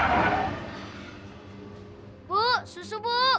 aku tahu sekarang